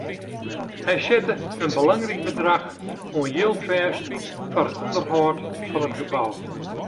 Hy sette in belangryk bedrach oan jild fêst foar it ûnderhâld fan it gebou.